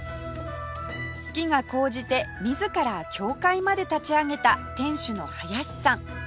好きが高じて自ら協会まで立ち上げた店主の林さん